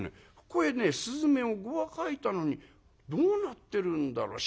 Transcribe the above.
ここへね雀を５羽描いたのにどうなってるんだろう」。